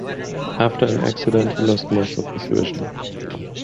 After an accident he lost most of his vision.